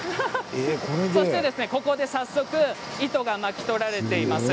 ここで早速糸が巻き取られていきます。